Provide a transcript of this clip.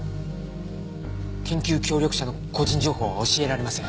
研究協力者の個人情報は教えられません。